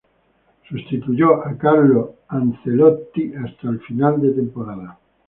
Sustituyó a Carlo Ancelotti hasta final de temporada.